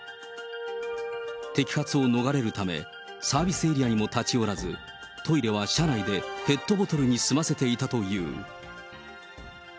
摘発を逃れるため、サービスエリアにも立ち寄らず、トイレは車内でペットボトルに済ませていたという。